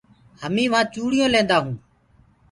همينٚ وهآنٚ چوڙيو ليندآ هونٚ۔